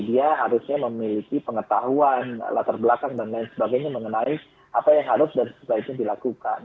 dia harusnya memiliki pengetahuan latar belakang dan lain sebagainya mengenai apa yang harus dan sebaiknya dilakukan